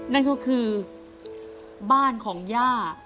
นั่นก็คือบ้านของย่า